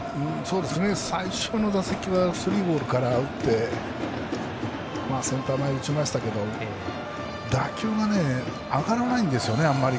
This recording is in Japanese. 最初の打席はスリーボールから打ってセンター前打ちましたけど打球が上がらないんです、あまり。